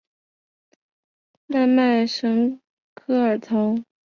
奈迈什科尔陶。